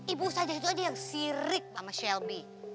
ibu saja itu aja yang sirik sama shelby